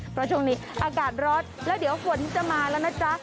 เพราะช่วงนี้อากาศร้อนแล้วเดี๋ยวฝนจะมาแล้วนะจ๊ะ